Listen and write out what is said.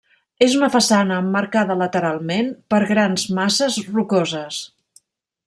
És una façana emmarcada lateralment per grans masses rocoses.